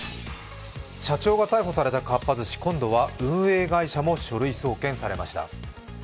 社長が逮捕されたかっぱ寿司、今度は運営会社も書類送検されました。